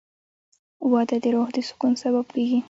• واده د روح د سکون سبب کېږي.